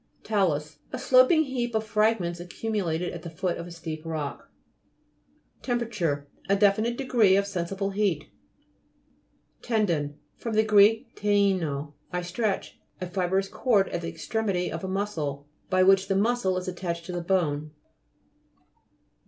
TA'LUS A sloping heap of fragments accumulated at the foot of a steep rock. TEMPERATURE A definite degree of sensible heat. TENDON f. gr. teino, I stretch. A fibrous cord at the extremity of a muscle, by which the muscle is attached to a bone.